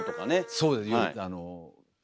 そうです。